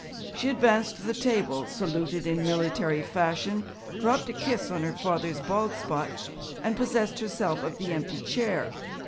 She advanced to the table, saluted in military fashion, dropped a kiss on her father's bald spot, and possessed herself of the empty chair.